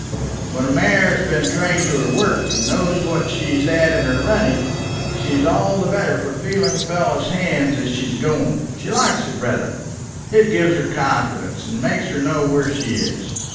When a mare has been trained to her work, and knows what she's at in her running, she's all the better for feeling a fellow's hands as she's going. She likes it rather. It gives her confidence, and makes her know where she is.